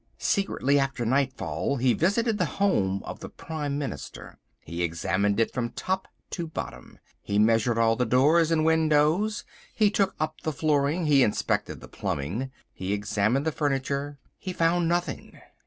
Secretly, after nightfall, he visited the home of the Prime Minister. He examined it from top to bottom. He measured all the doors and windows. He took up the flooring. He inspected the plumbing. He examined the furniture. He found nothing.